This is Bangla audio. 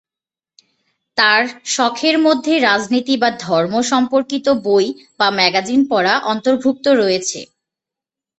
তার শখের মধ্যে রাজনীতি বা ধর্ম সম্পর্কিত বই বা ম্যাগাজিন পড়া অন্তর্ভুক্ত রয়েছে।